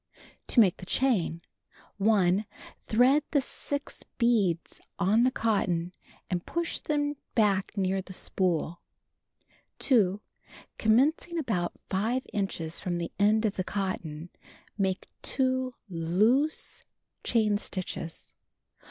To Make the Chain : 1. Thread the 6 beads on the cotton and push them back near the spool. 2. Commencing about 5 inches from the end of the cotton, make 2 loose chain stitches.